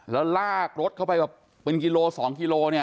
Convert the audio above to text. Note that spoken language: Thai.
แล้วลากรถเข้าไปแบบเป็นกิโล๒กิโลเนี่ย